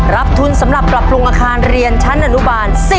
รับทุนสำหรับปรับปรุงอาคารเรียนชั้นอนุบาล